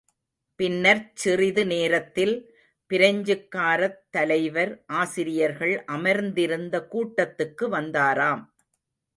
பின்னர்ச் சிறிது நேரத்தில் பிரெஞ்சுக்காரத் தலைவர் ஆசிரியர்கள் அமர்ந்திருந்த கூட்டத்துக்கு வந்தாராம்.